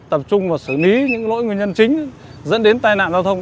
tập trung vào xử lý những lỗi nguyên nhân chính dẫn đến tai nạn giao thông